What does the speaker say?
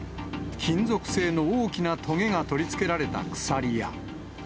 金属製の大きなとげが取り付けられた鎖や。